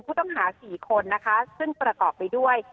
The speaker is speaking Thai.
ผู้ต้องหา๔คนนะคะซึ่งประกอบไปด้วย